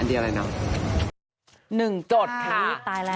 อันเดียวอะไรหน่อย